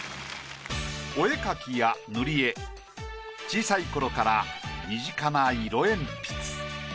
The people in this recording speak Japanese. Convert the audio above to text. お絵描きや塗り絵小さい頃から身近な色鉛筆。